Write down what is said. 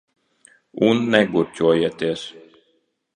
Un negurķojieties.